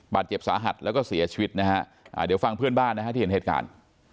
บาดเจ็บสาหัสแล้วก็เสียชีวิตนะฮะเดี๋ยวฟังเพื่อนบ้านนะฮะที่เห็นเหตุการณ์